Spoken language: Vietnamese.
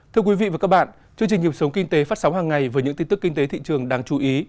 thưa quý vị và các bạn chương trình hiệp sống kinh tế phát sóng hàng ngày với những tin tức kinh tế thị trường đáng chú ý